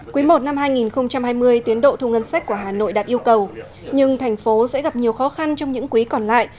quý i năm hai nghìn hai mươi tiến độ thu ngân sách của hà nội đạt yêu cầu nhưng thành phố sẽ gặp nhiều khó khăn trong những quý còn lại